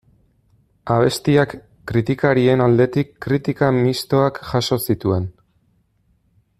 Abestiak kritikarien aldetik kritika mistoak jaso zituen.